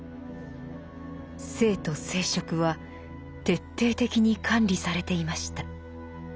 性と生殖は徹底的に管理されていました。